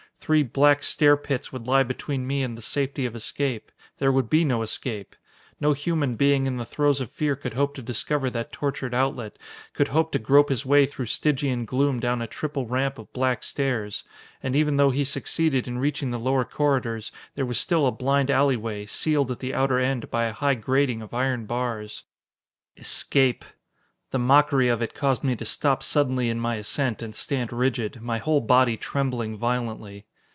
Three black stair pits would lie between me and the safety of escape. There would be no escape! No human being in the throes of fear could hope to discover that tortured outlet, could hope to grope his way through Stygian gloom down a triple ramp of black stairs. And even though he succeeded in reaching the lower corridors, there was still a blind alley way, sealed at the outer end by a high grating of iron bars.... Escape! The mockery of it caused me to stop suddenly in my ascent and stand rigid, my whole body trembling violently.